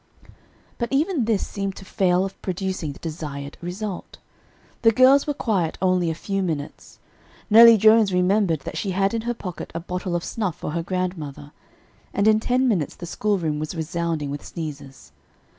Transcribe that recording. But even this seemed to fail of producing the desired result. The girls were quiet only a few minutes. Nellie Jones remembered that she had in her pocket a bottle of snuff for her grandmother, and in ten minutes the schoolroom was resounding with sneezes.